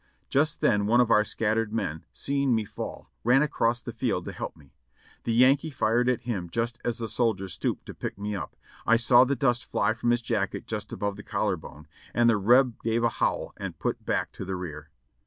Just then one of our scattered men, seeing me fall, ran across the field to help me. The Yankee fired at him just as the soldier stooped to pick me up. I saw the dust fly from his jacket just above the col lar bone, and the Reb gave a howl and put back to the rear.